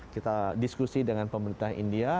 kita diskusi dengan pemerintah india